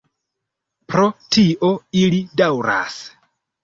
Pro tio ili daŭras.